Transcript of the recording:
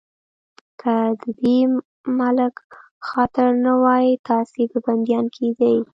که د دې ملک خاطر نه وای، تاسې به بنديان کېدئ.